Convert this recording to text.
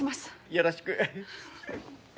よろしく。